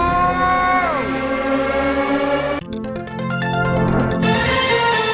โปรดติดตามตอนต่อไป